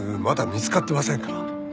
まだ見つかってませんから。